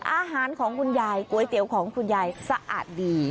อาหารของคุณยายก๋วยเตี๋ยวของคุณยายสะอาดดี